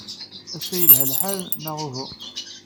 Ass-a yelha lḥan, neɣ uhu?